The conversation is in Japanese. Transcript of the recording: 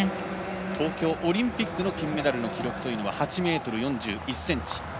東京オリンピックの金メダルの記録は８ｍ４１ｃｍ。